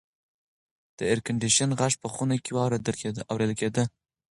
د اېرکنډیشن غږ په خونه کې اورېدل کېده.